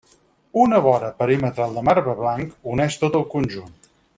Una vora perimetral de marbre blanc uneix tot el conjunt.